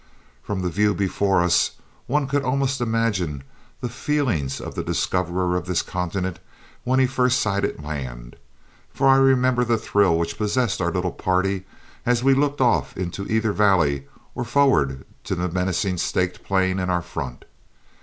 From the view before us one could almost imagine the feelings of the discoverer of this continent when he first sighted land; for I remember the thrill which possessed our little party as we looked off into either valley or forward to the menacing Staked Plain in our front.